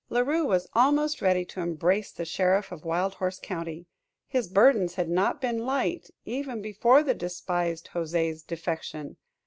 La Rue was almost ready to embrace the sheriff of Wild Horse County. His burdens had not been light, even before the despised José's defection.